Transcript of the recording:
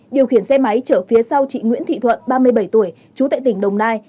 điều khiển xe máy chở phía sau chị nguyễn thị thuận ba mươi bảy tuổi trú tại tỉnh đồng nai